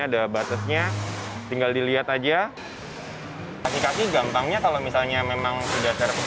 ada batasnya tinggal dilihat aja kasih kasih gampangnya kalau misalnya memang sudah service